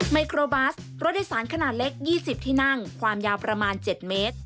ไมโครบัสรถโดยสารขนาดเล็ก๒๐ที่นั่งความยาวประมาณ๗เมตร